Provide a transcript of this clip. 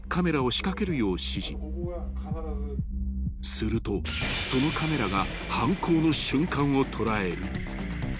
［するとそのカメラが］